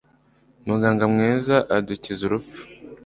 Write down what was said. muganga mwiza adukiza urupfu